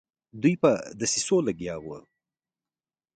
دوی په دسیسو لګیا وه.